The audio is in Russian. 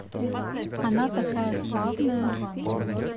Она такая славная.